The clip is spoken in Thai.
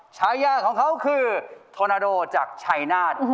ฉายาของเขาคือโทนาโดจากชัยนาธ